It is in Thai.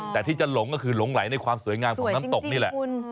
แต่ที่จะหลงก็คือหลงไหลในความสวยงามของน้ำตกนี่แหละ